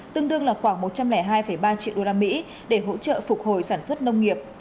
tương đương là khoảng một trăm linh hai ba triệu usd để hỗ trợ phục hồi sản xuất nông nghiệp